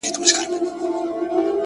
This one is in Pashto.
پرېږده د خوار ژوند ديوه گړي سخا واخلمه’